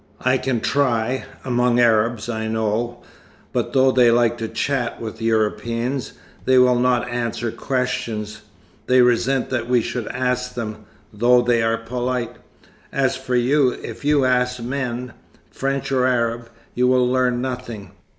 "I can try, among Arabs I know, but though they like to chat with Europeans, they will not answer questions. They resent that we should ask them, though they are polite. As for you, if you ask men, French or Arab, you will learn nothing.